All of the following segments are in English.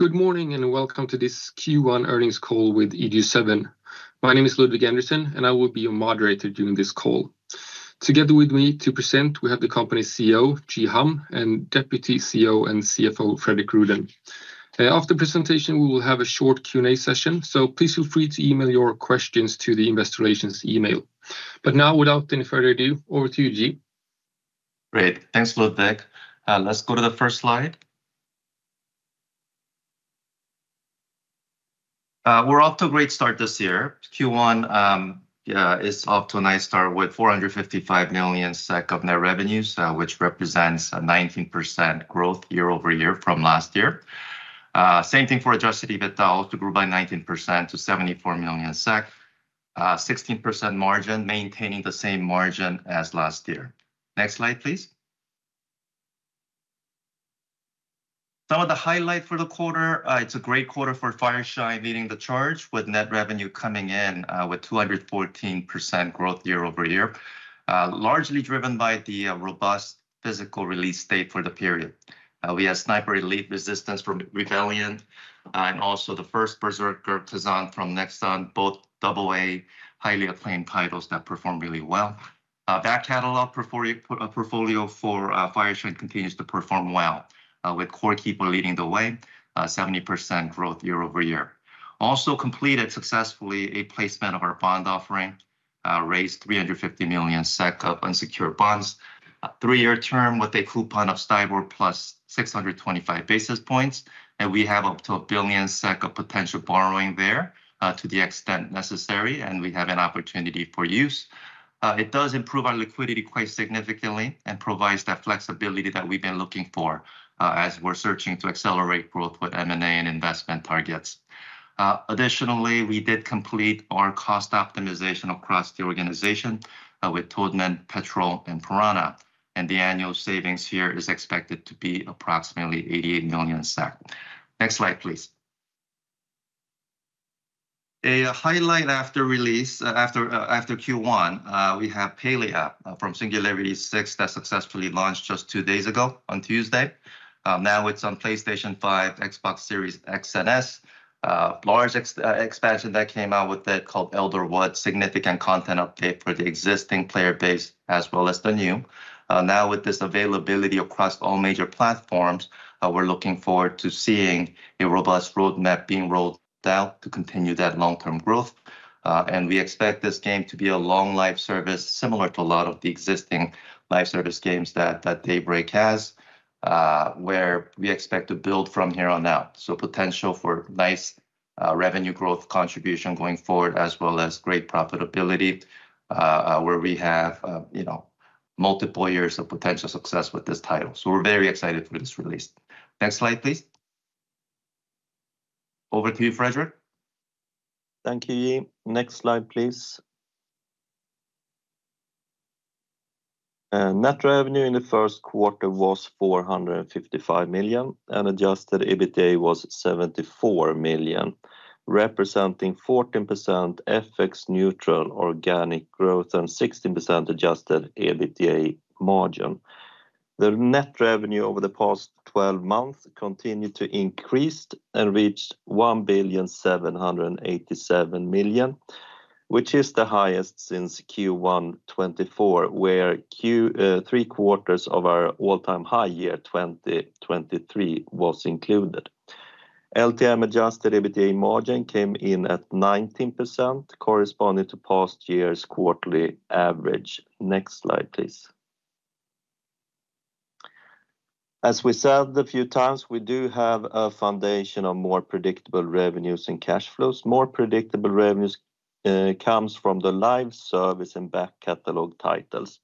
Good morning and welcome to this Q1 Earnings Call with EG7. My name is Ludvig Andersson, and I will be your moderator during this call. Together with me to present, we have the company's CEO, Ji Ham, and Deputy CEO and CFO, Fredrik Rüdén. After the presentation, we will have a short Q&A session, so please feel free to email your questions to the investor relations email. Now, without any further ado, over to you, Ji. Great. Thanks, Ludvig. Let's go to the first slide. We're off to a great start this year. Q1 is off to a nice start with 455 million SEK of net revenues, which represents a 19% growth year over year from last year. Same thing for adjusted EBITDA, also grew by 19% to 74 million SEK, 16% margin, maintaining the same margin as last year. Next slide, please. Some of the highlights for the quarter: it's a great quarter for Fireshine leading the charge, with net revenue coming in with 214% growth year-over-year, largely driven by the robust physical release date for the period. We had Sniper Elite: Resistance from Rebellion, and also First Berserker: Khazan from Nexon, both AA highly acclaimed titles that performed really well. That catalog portfolio for Fireshine continues to perform well, with Core Keeper leading the way, 70% growth year-over-year. Also completed successfully a placement of our bond offering, raised 350 million SEK of unsecured bonds, three-year term with a coupon of STIBOR plus 625 basis points, and we have up to 1 billion SEK of potential borrowing there to the extent necessary, and we have an opportunity for use. It does improve our liquidity quite significantly and provides that flexibility that we've been looking for as we're searching to accelerate growth with M&A and investment targets. Additionally, we did complete our cost optimization across the organization with Toadman, Petrol, and Piranha, and the annual savings here is expected to be approximately 88 million SEK. Next slide, please. A highlight after release, after Q1, we have Palia from Singularity 6 that successfully launched just two days ago on Tuesday. Now it is on PlayStation 5, Xbox Series X and S, large expansion that came out with it called Elderwoods, significant content update for the existing player base as well as the new. Now, with this availability across all major platforms, we are looking forward to seeing a robust roadmap being rolled out to continue that long-term growth. We expect this game to be a long life service, similar to a lot of the existing live service games that Daybreak has, where we expect to build from here on out. Potential for nice revenue growth contribution going forward, as well as great profitability, where we have multiple years of potential success with this title. We are very excited for this release. Next slide, please. Over to you, Fredrik. Thank you, Ji. Next slide, please. Net revenue in the first quarter was 455 million, and adjusted EBITDA was 74 million, representing 14% FX neutral organic growth and 16% adjusted EBITDA margin. The net revenue over the past 12 months continued to increase and reached 1,787 million, which is the highest since Q1 2024, where three quarters of our all-time high year 2023 was included. LTM adjusted EBITDA margin came in at 19%, corresponding to past year's quarterly average. Next slide, please. As we said a few times, we do have a foundation of more predictable revenues and cash flows. More predictable revenues come from the live service and back catalog titles.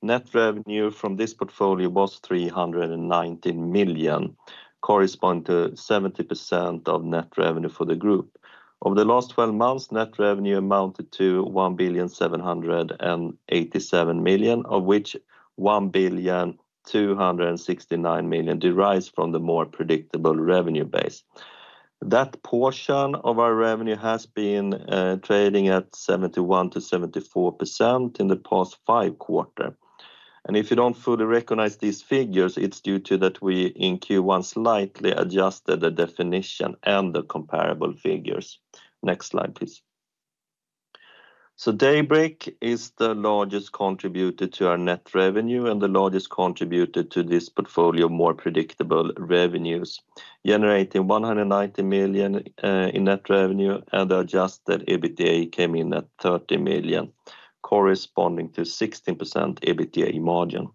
Net revenue from this portfolio was 319 million, corresponding to 70% of net revenue for the group. Over the last 12 months, net revenue amounted to 1,787 million, of which 1,269 million derives from the more predictable revenue base. That portion of our revenue has been trading at 71%-74% in the past five quarters. If you do not fully recognize these figures, it is due to that we in Q1 slightly adjusted the definition and the comparable figures. Next slide, please. Daybreak is the largest contributor to our net revenue and the largest contributor to this portfolio of more predictable revenues, generating 190 million in net revenue, and the adjusted EBITDA came in at 30 million, corresponding to a 16% EBITDA margin.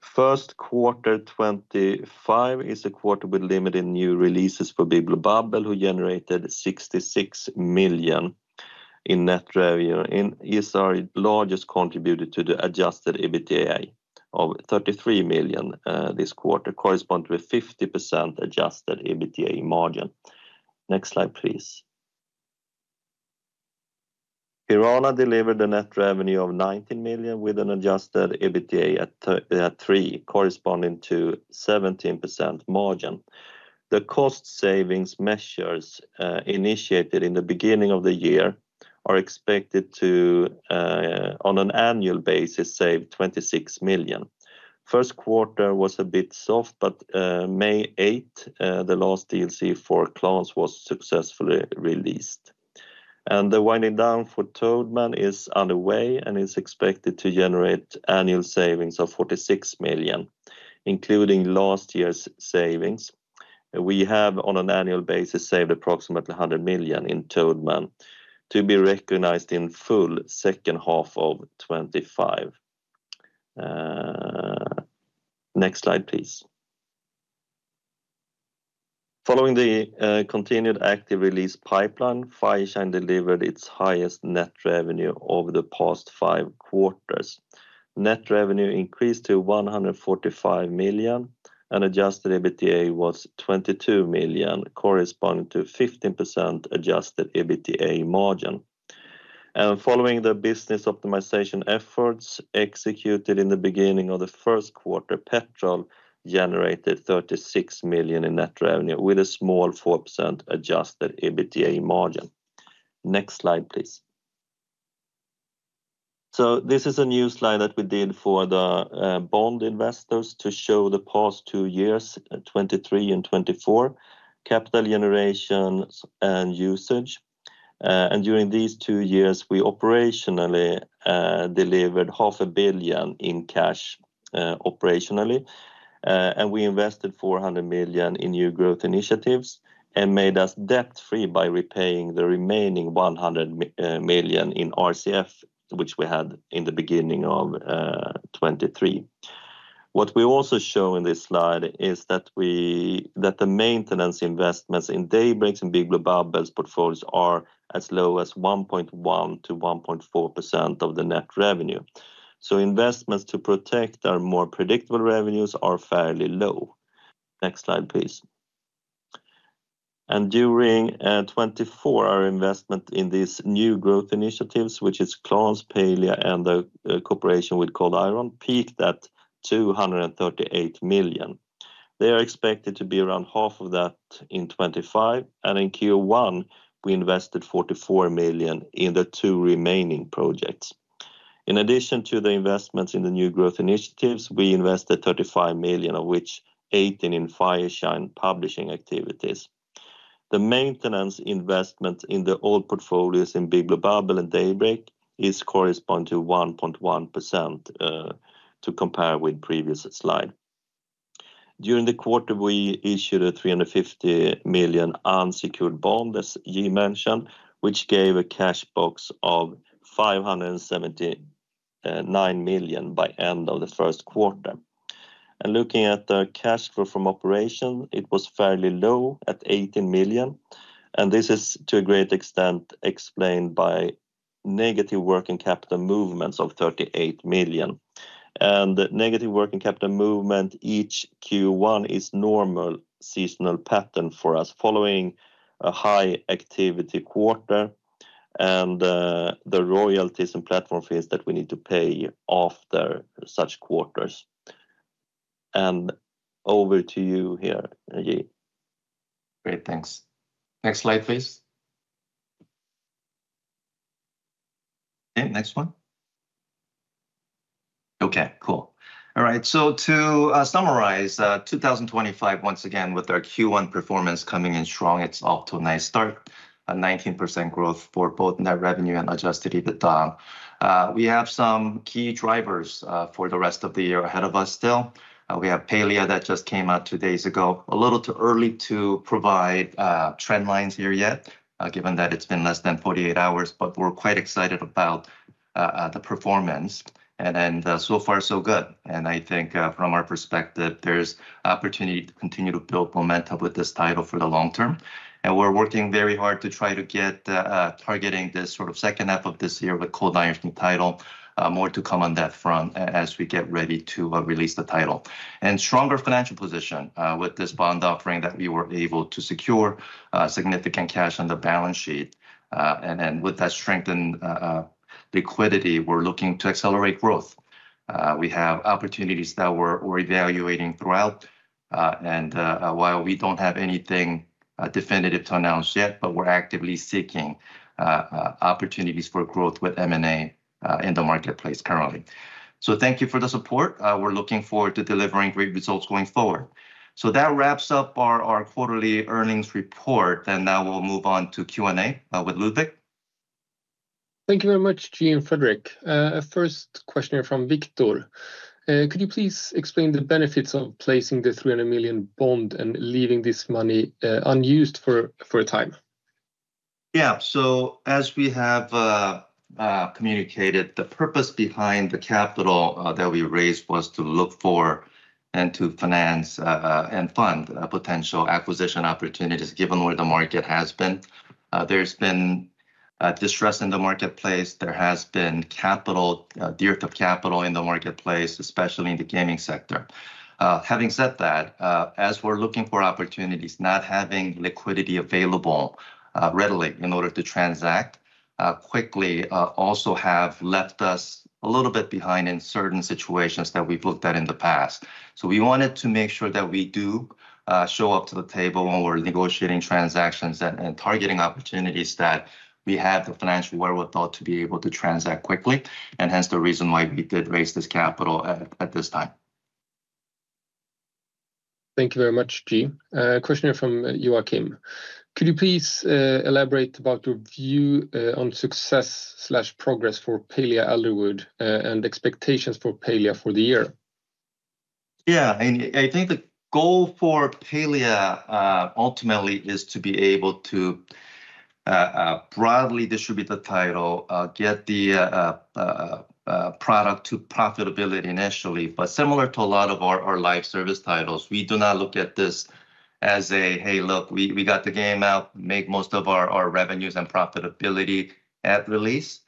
First quarter 2025 is a quarter with limited new releases for Big Blue Bubble, who generated 66 million in net revenue. It is our largest contributor to the adjusted EBITDA of 33 million this quarter, corresponding to a 50% adjusted EBITDA margin. Next slide, please. Piranha delivered a net revenue of 19 million with an adjusted EBITDA at 3 million, corresponding to a 17% margin. The cost savings measures initiated in the beginning of the year are expected to, on an annual basis, save 26 million. First quarter was a bit soft, but May 8, the last DLC for Clans was successfully released. The winding down for Toadman is underway and is expected to generate annual savings of 46 million, including last year's savings. We have, on an annual basis, saved approximately 100 million in Toadman to be recognized in full second half of 2025. Next slide, please. Following the continued active release pipeline, Fireshine delivered its highest net revenue over the past five quarters. Net revenue increased to 145 million, and adjusted EBITDA was 22 million, corresponding to a 15% adjusted EBITDA margin. Following the business optimization efforts executed in the beginning of the first quarter, Petrol generated 36 million in net revenue with a small 4% adjusted EBITDA margin. Next slide, please. This is a new slide that we did for the bond investors to show the past two years, 2023 and 2024, capital generation and usage. During these two years, we operationally delivered 500 million in cash operationally, and we invested 400 million in new growth initiatives and made us debt-free by repaying the remaining 100 million in RCF, which we had in the beginning of 2023. What we also show in this slide is that the maintenance investments in Daybreak's and Big Blue Bubble's portfolios are as low as 1.1%-1.4% of the net revenue. Investments to protect our more predictable revenues are fairly low. Next slide, please. During 2024, our investment in these new growth initiatives, which is Clans, Palia, and the cooperation with Cold Iron, peaked at 238 million. They are expected to be around half of that in 2025. In Q1, we invested 44 million in the two remaining projects. In addition to the investments in the new growth initiatives, we invested 35 million, of which 18 million in Fireshine publishing activities. The maintenance investment in the old portfolios in Big Blue Bubble and Daybreak corresponds to 1.1% to compare with previous slide. During the quarter, we issued a 350 million unsecured bond, as Ji mentioned, which gave a cash box of 579 million by the end of the first quarter. Looking at the cash flow from operation, it was fairly low at 18 million, and this is to a great extent explained by negative working capital movements of 38 million. Negative working capital movement each Q1 is a normal seasonal pattern for us following a high activity quarter, and the royalties and platform fees that we need to pay after such quarters. Over to you here, Ji. Great, thanks. Next slide, please. Okay, next one. Okay, cool. All right, to summarize, 2025, once again, with our Q1 performance coming in strong, it is off to a nice start, 19% growth for both net revenue and adjusted EBITDA. We have some key drivers for the rest of the year ahead of us still. We have Palia that just came out two days ago. A little too early to provide trend lines here yet, given that it has been less than 48 hours, but we are quite excited about the performance. So far, so good. I think from our perspective, there is opportunity to continue to build momentum with this title for the long term. We are working very hard to try to get targeting this sort of second half of this year with Cold Iron's new title, more to come on that front as we get ready to release the title. A stronger financial position with this bond offering that we were able to secure significant cash on the balance sheet. With that strengthened liquidity, we are looking to accelerate growth. We have opportunities that we are evaluating throughout. While we do not have anything definitive to announce yet, we are actively seeking opportunities for growth with M&A in the marketplace currently. Thank you for the support. We are looking forward to delivering great results going forward. That wraps up our quarterly earnings report, and now we will move on to Q&A with Ludvig. Thank you very much, Ji and Fredrik. First question here from Viktor. Could you please explain the benefits of placing the 300 million bond and leaving this money unused for a time? Yeah, as we have communicated, the purpose behind the capital that we raised was to look for and to finance and fund potential acquisition opportunities, given where the market has been. There's been distress in the marketplace. There has been dearth of capital in the marketplace, especially in the gaming sector. Having said that, as we're looking for opportunities, not having liquidity available readily in order to transact quickly also has left us a little bit behind in certain situations that we've looked at in the past. We wanted to make sure that we do show up to the table when we're negotiating transactions and targeting opportunities that we have the financial wherewithal to be able to transact quickly, and hence the reason why we did raise this capital at this time. Thank you very much, Ji. Question here from Joakim. Could you please elaborate about your view on success/progress for Palia Elder Woods and expectations for Palia for the year? Yeah, I think the goal for Palia ultimately is to be able to broadly distribute the title, get the product to profitability initially. Similar to a lot of our live service titles, we do not look at this as a, "Hey, look, we got the game out, make most of our revenues and profitability at release."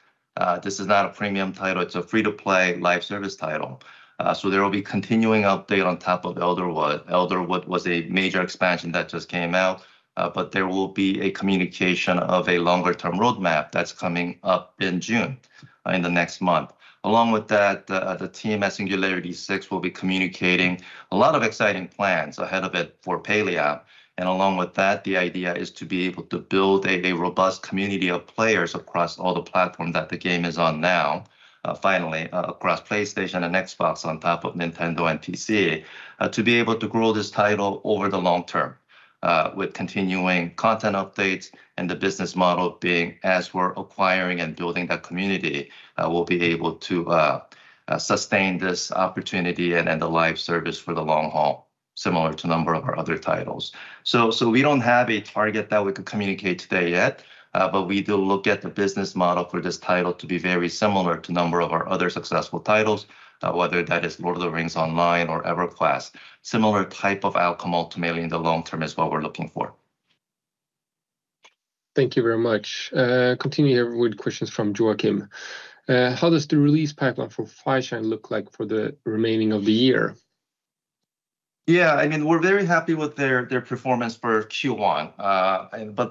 This is not a premium title. It is a free-to-play live service title. There will be a continuing update on top of Elderwood. Elderwood was a major expansion that just came out, but there will be a communication of a longer-term roadmap that is coming up in June in the next month. Along with that, the team at Singularity 6 will be communicating a lot of exciting plans ahead of it for Palia. Along with that, the idea is to be able to build a robust community of players across all the platforms that the game is on now, finally, across PlayStation and Xbox on top of Nintendo and PC, to be able to grow this title over the long term with continuing content updates and the business model being, as we're acquiring and building that community, we'll be able to sustain this opportunity and the live service for the long haul, similar to a number of our other titles. We do not have a target that we could communicate today yet, but we do look at the business model for this title to be very similar to a number of our other successful titles, whether that is Lord of the Rings Online or EverQuest. Similar type of outcome ultimately in the long term is what we're looking for. Thank you very much. Continuing here with questions from Joakim. How does the release pipeline for Fireshine look like for the remaining of the year? Yeah, I mean, we're very happy with their performance for Q1.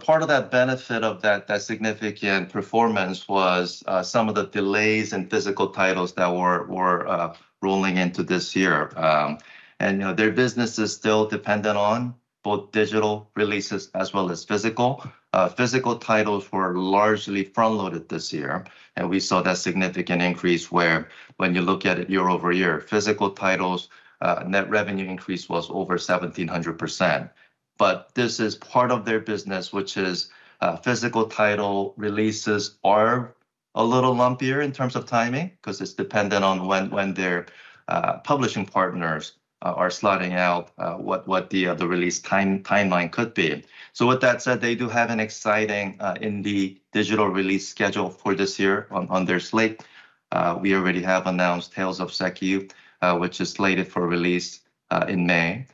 Part of that benefit of that significant performance was some of the delays in physical titles that were rolling into this year. Their business is still dependent on both digital releases as well as physical. Physical titles were largely front-loaded this year, and we saw that significant increase where when you look at it year-over-year, physical titles' net revenue increase was over 1700%. This is part of their business, which is physical title releases are a little lumpier in terms of timing because it's dependent on when their publishing partners are slotting out what the release timeline could be. With that said, they do have an exciting indie digital release schedule for this year on their slate. We already have announced Tales of Seikyu, which is slated for release in May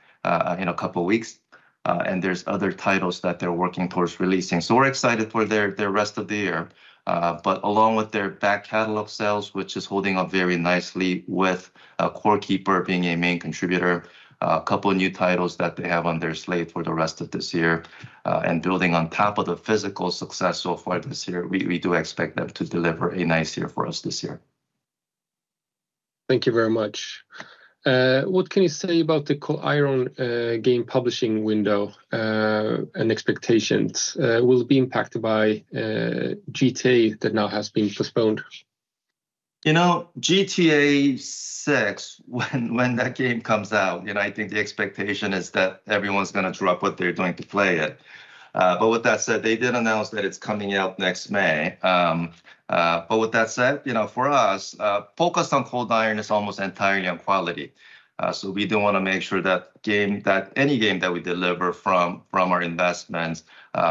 in a couple of weeks. There are other titles that they're working towards releasing. We're excited for the rest of the year. Along with their back catalog sales, which is holding up very nicely with Core Keeper being a main contributor, a couple of new titles that they have on their slate for the rest of this year, and building on top of the physical success so far this year, we do expect them to deliver a nice year for us this year. Thank you very much. What can you say about the Cold Iron game publishing window and expectations? Will it be impacted by GTA that now has been postponed? You know, GTA VI, when that game comes out, you know, I think the expectation is that everyone's going to drop what they're doing to play it. With that said, they did announce that it's coming out next May. With that said, you know, for us, focus on Cold Iron is almost entirely on quality. We do want to make sure that any game that we deliver from our investments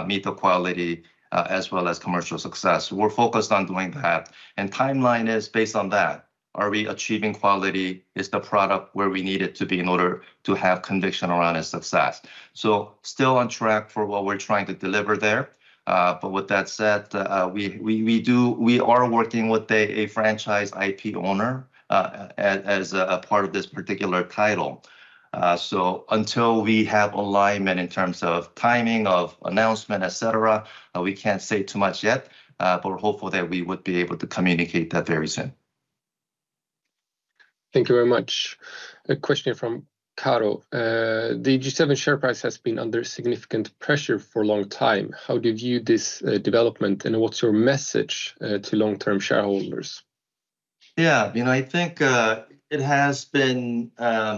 meets the quality as well as commercial success. We're focused on doing that. Timeline is based on that. Are we achieving quality? Is the product where we need it to be in order to have conviction around its success? Still on track for what we're trying to deliver there. With that said, we are working with a franchise IP owner as a part of this particular title. Until we have alignment in terms of timing of announcement, et cetera, we can't say too much yet, but we're hopeful that we would be able to communicate that very soon. Thank you very much. A question here from Karo. The EG7 share price has been under significant pressure for a long time. How do you view this development, and what's your message to long-term shareholders? Yeah, you know, I think it has been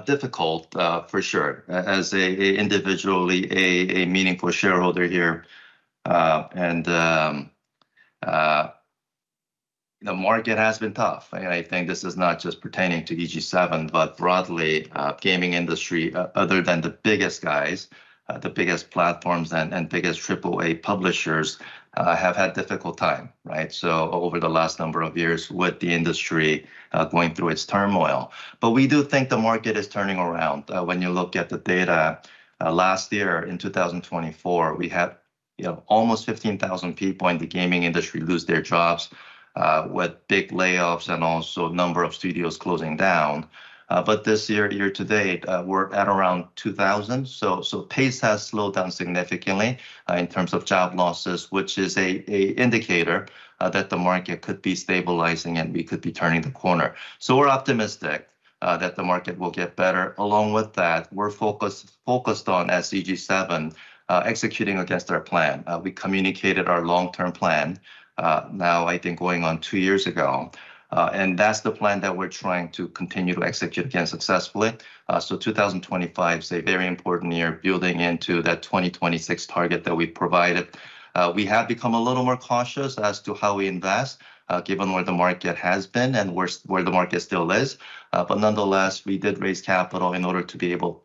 difficult for sure as an individually meaningful shareholder here. The market has been tough. I think this is not just pertaining to EG7, but broadly, the gaming industry, other than the biggest guys, the biggest platforms and biggest AAA publishers have had a difficult time, right? Over the last number of years with the industry going through its turmoil. We do think the market is turning around. When you look at the data, last year in 2024, we had almost 15,000 people in the gaming industry lose their jobs with big layoffs and also a number of studios closing down. This year, year to date, we're at around 2,000. Pace has slowed down significantly in terms of job losses, which is an indicator that the market could be stabilizing and we could be turning the corner. We're optimistic that the market will get better. Along with that, we're focused on, as EG7, executing against our plan. We communicated our long-term plan now, I think, going on two years ago. That's the plan that we're trying to continue to execute again successfully. 2025 is a very important year building into that 2026 target that we provided. We have become a little more cautious as to how we invest, given where the market has been and where the market still is. Nonetheless, we did raise capital in order to be able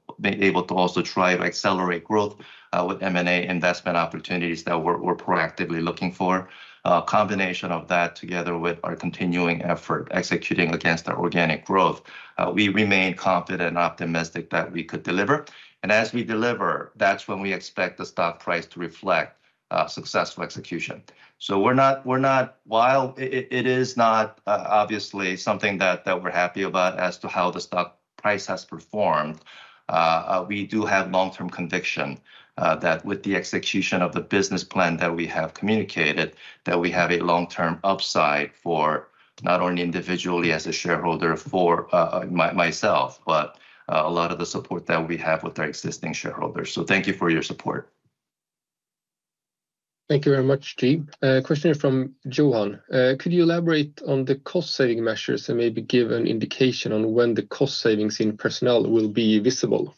to also try to accelerate growth with M&A investment opportunities that we're proactively looking for. A combination of that together with our continuing effort executing against our organic growth, we remain confident and optimistic that we could deliver. As we deliver, that's when we expect the stock price to reflect successful execution. We're not, while it is not obviously something that we're happy about as to how the stock price has performed, we do have long-term conviction that with the execution of the business plan that we have communicated, that we have a long-term upside for not only individually as a shareholder for myself, but a lot of the support that we have with our existing shareholders. Thank you for your support. Thank you very much, Ji. Question here from Johan. Could you elaborate on the cost-saving measures that may be given indication on when the cost savings in personnel will be visible?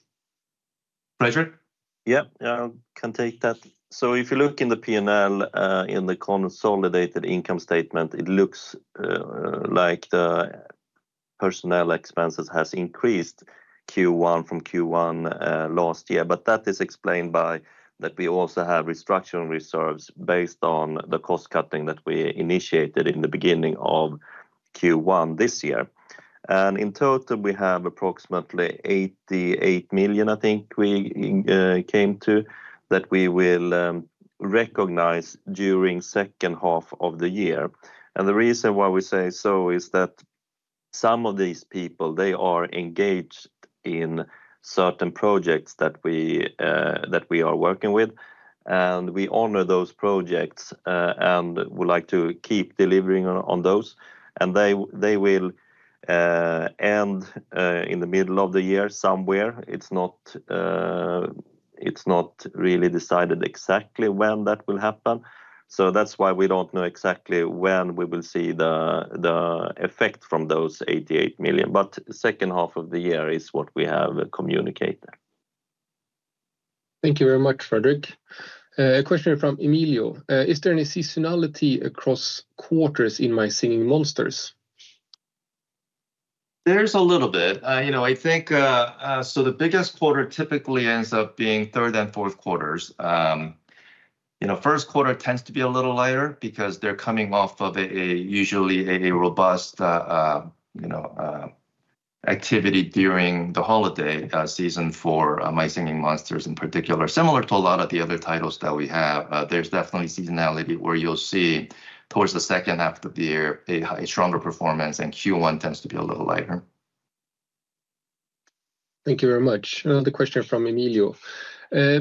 Fredrik? Yeah, I can take that. If you look in the P&L in the consolidated income statement, it looks like the personnel expenses has increased from Q1 last year. That is explained by the fact that we also have restructuring reserves based on the cost cutting that we initiated in the beginning of Q1 this year. In total, we have approximately 88 million, I think we came to, that we will recognize during the second half of the year. The reason why we say so is that some of these people, they are engaged in certain projects that we are working with. We honor those projects and would like to keep delivering on those. They will end in the middle of the year somewhere. It's not really decided exactly when that will happen. That is why we do not know exactly when we will see the effect from those 88 million. The second half of the year is what we have communicated. Thank you very much, Fredrik. A question here from Emilio. Is there any seasonality across quarters in My Singing Monsters? There's a little bit. You know, I think so the biggest quarter typically ends up being third and fourth quarters. You know, first quarter tends to be a little lighter because they're coming off of usually a robust activity during the holiday season for My Singing Monsters in particular. Similar to a lot of the other titles that we have, there's definitely seasonality where you'll see towards the second half of the year a stronger performance, and Q1 tends to be a little lighter. Thank you very much. Another question here from Emilio.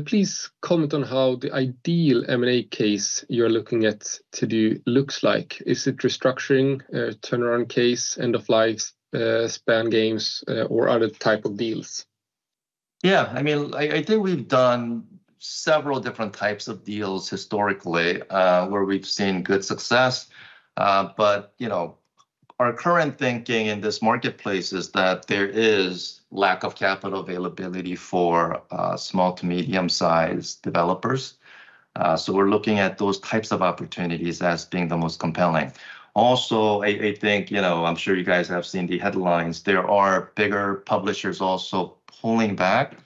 Please comment on how the ideal M&A case you're looking at to do looks like. Is it restructuring, turnaround case, end-of-life span games, or other type of deals? Yeah, I mean, I think we've done several different types of deals historically where we've seen good success. You know, our current thinking in this marketplace is that there is a lack of capital availability for small to medium-sized developers. We're looking at those types of opportunities as being the most compelling. Also, I think, you know, I'm sure you guys have seen the headlines. There are bigger publishers also pulling back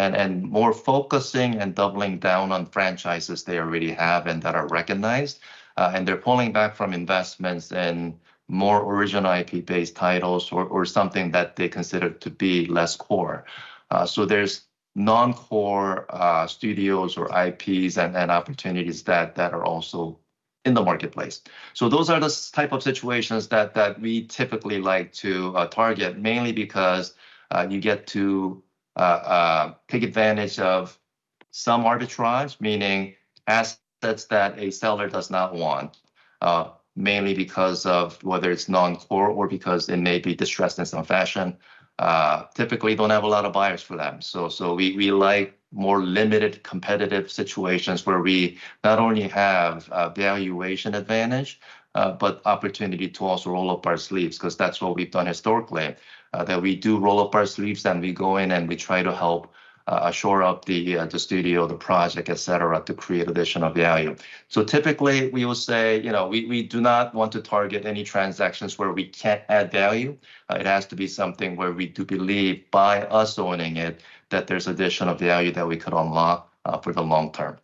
and more focusing and doubling down on franchises they already have and that are recognized. They're pulling back from investments in more original IP-based titles or something that they consider to be less core. There are non-core studios or IPs and opportunities that are also in the marketplace. Those are the type of situations that we typically like to target, mainly because you get to take advantage of some arbitrage, meaning assets that a seller does not want, mainly because of whether it is non-core or because it may be distressed in some fashion. Typically, you do not have a lot of buyers for them. We like more limited competitive situations where we not only have a valuation advantage, but opportunity to also roll up our sleeves because that is what we have done historically, that we do roll up our sleeves and we go in and we try to help shore up the studio, the project, et cetera, to create additional value. Typically, we will say, you know, we do not want to target any transactions where we cannot add value. It has to be something where we do believe by us owning it that there's additional value that we could unlock for the long term.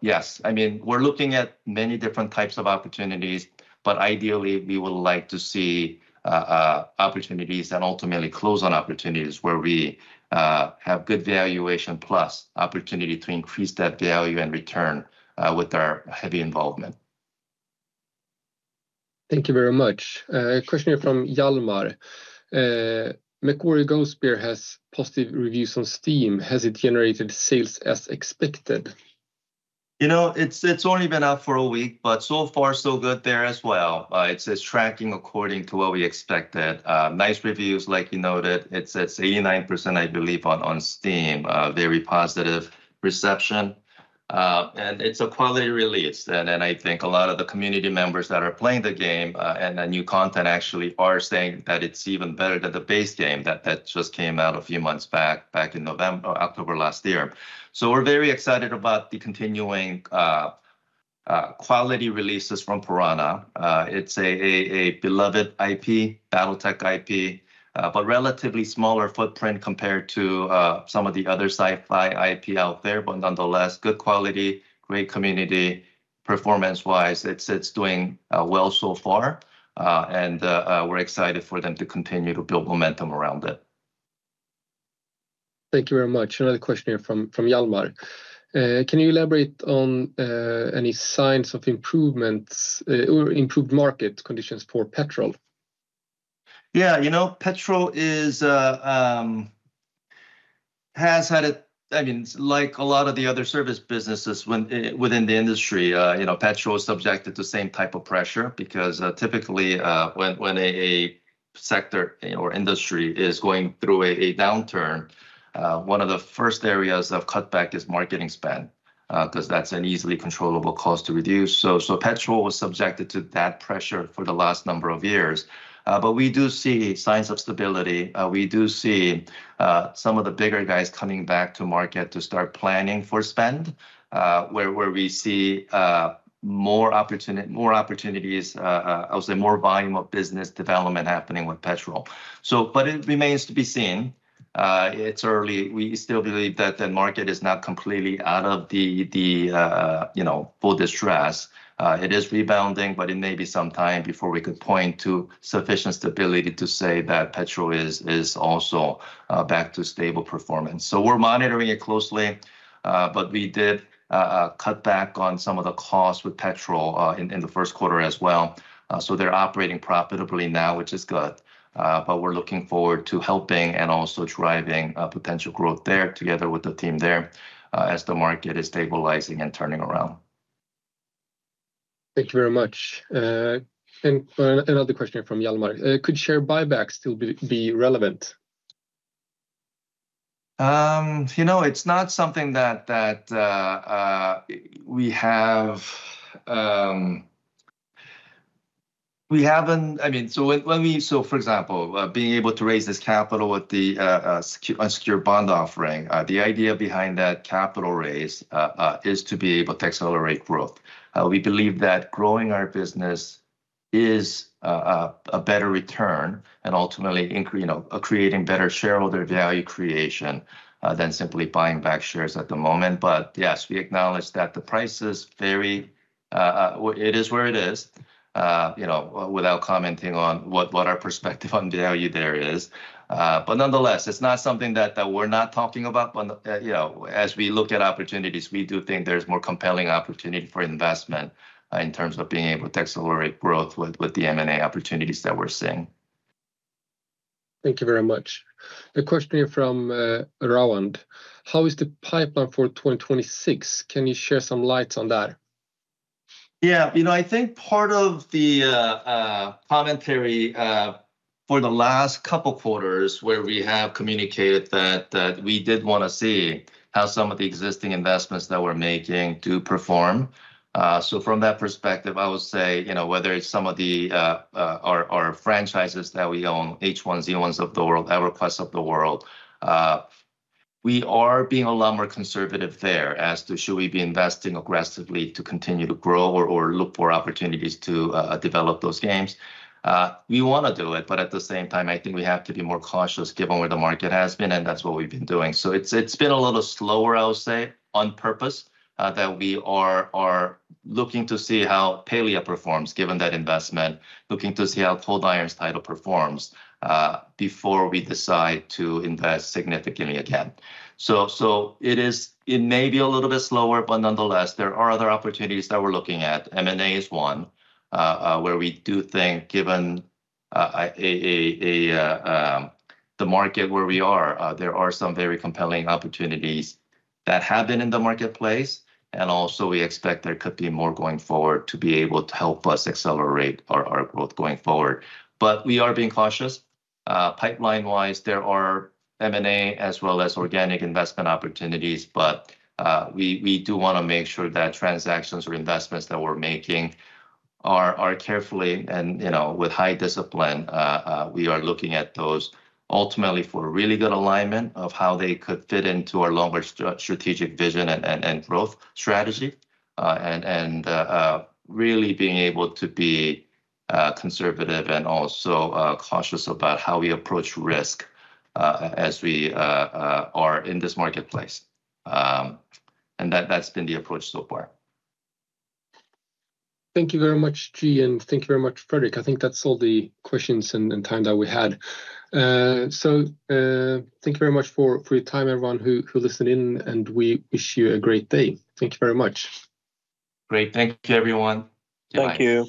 Yes, I mean, we're looking at many different types of opportunities, but ideally, we would like to see opportunities and ultimately close on opportunities where we have good valuation plus opportunity to increase that value and return with our heavy involvement. Thank you very much. A question here from Jalma. MechWarrior 5 has positive reviews on Steam. Has it generated sales as expected? You know, it's only been up for a week, but so far, so good there as well. It's tracking according to what we expected. Nice reviews, like you noted. It's 89%, I believe, on Steam. Very positive reception. It's a quality release. I think a lot of the community members that are playing the game and the new content actually are saying that it's even better than the base game that just came out a few months back in November, October last year. We are very excited about the continuing quality releases from Piranha. It's a beloved IP, BattleTech IP, but relatively smaller footprint compared to some of the other sci-fi IP out there. Nonetheless, good quality, great community. Performance-wise, it's doing well so far. We are excited for them to continue to build momentum around it. Thank you very much. Another question here from Jalma. Can you elaborate on any signs of improvements or improved market conditions for Petrol? Yeah, you know, Petrol has had, I mean, like a lot of the other service businesses within the industry, you know, Petrol is subjected to the same type of pressure because typically when a sector or industry is going through a downturn, one of the first areas of cutback is marketing spend because that's an easily controllable cost to reduce. So Petrol was subjected to that pressure for the last number of years. We do see signs of stability. We do see some of the bigger guys coming back to market to start planning for spend where we see more opportunities, I would say more volume of business development happening with Petrol. It remains to be seen. It's early. We still believe that the market is not completely out of the full distress. It is rebounding, but it may be some time before we could point to sufficient stability to say that Petrol is also back to stable performance. We are monitoring it closely. We did cut back on some of the costs with Petrol in the first quarter as well. They are operating profitably now, which is good. We are looking forward to helping and also driving potential growth there together with the team there as the market is stabilizing and turning around. Thank you very much. Another question here from Jalma. Could share buybacks still be relevant? You know, it's not something that we have. I mean, so for example, being able to raise this capital with the unsecured bond offering, the idea behind that capital raise is to be able to accelerate growth. We believe that growing our business is a better return and ultimately creating better shareholder value creation than simply buying back shares at the moment. Yes, we acknowledge that the price is very, it is where it is, you know, without commenting on what our perspective on value there is. Nonetheless, it's not something that we're not talking about. As we look at opportunities, we do think there's more compelling opportunity for investment in terms of being able to accelerate growth with the M&A opportunities that we're seeing. Thank you very much. A question here from Rawand. How is the pipeline for 2026? Can you share some lights on that? Yeah, you know, I think part of the commentary for the last couple of quarters where we have communicated that we did want to see how some of the existing investments that we're making do perform. From that perspective, I would say, you know, whether it's some of our franchises that we own, H1Z1s of the world, EverQuests of the world, we are being a lot more conservative there as to should we be investing aggressively to continue to grow or look for opportunities to develop those games. We want to do it, but at the same time, I think we have to be more cautious given where the market has been, and that's what we've been doing. It's been a little slower, I would say, on purpose that we are looking to see how Palia performs given that investment, looking to see how Cold Iron's title performs before we decide to invest significantly again. It may be a little bit slower, but nonetheless, there are other opportunities that we're looking at. M&A is one where we do think given the market where we are, there are some very compelling opportunities that have been in the marketplace. We also expect there could be more going forward to be able to help us accelerate our growth going forward. We are being cautious. Pipeline-wise, there are M&A as well as organic investment opportunities, but we do want to make sure that transactions or investments that we're making are carefully and with high discipline. We are looking at those ultimately for really good alignment of how they could fit into our longer strategic vision and growth strategy and really being able to be conservative and also cautious about how we approach risk as we are in this marketplace. That has been the approach so far. Thank you very much, Ji, and thank you very much, Fredrik. I think that's all the questions and time that we had. Thank you very much for your time, everyone who listened in, and we wish you a great day. Thank you very much. Great. Thank you, everyone. Thank you.